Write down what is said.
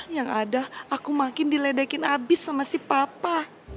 yang ada aku makin diledekin abis sama si papa